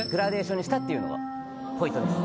っていうのがポイントです。